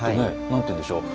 何ていうんでしょう